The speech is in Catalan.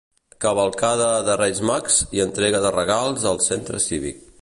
Cavalcada dels Reis Mags i entrega de regals al Centre Cívic.